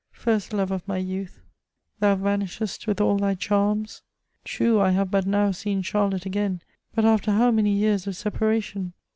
First love of my youth, thou vanishest with all thy charms ! True, I have but now seen Charlotte again, but after how many years of separa tion